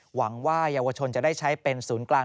หวังว่าเยาวชนจะได้ใช้เป็นศูนย์กลาง